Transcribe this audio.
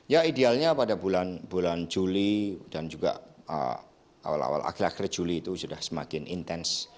ya idealnya pada bulan juli dan juga awal awal akhir akhir juli itu sudah semakin intens